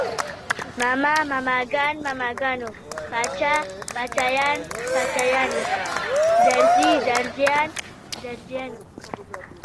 ماما، ماماګان، ماماګانو، باچا، باچايان، باچايانو، درزي، درزيان، درزیانو